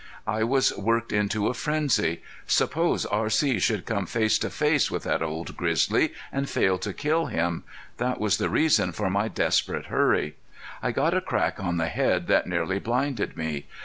I was worked into a frenzy. Suppose R.C. should come face to face with that old grizzly and fail to kill him! That was the reason for my desperate hurry. I got a crack on the head that nearly blinded me.